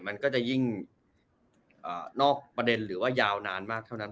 มันจะยิ่งนอกประเด็นหรือยาวมากเท่านั้น